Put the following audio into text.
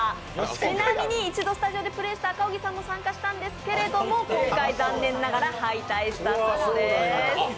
ちなみに、一度スタジオでプレーした赤荻さんも参加したんですけれども今回、残念ながら敗退したんです